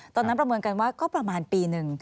ประเมินกันว่าก็ประมาณปีหนึ่ง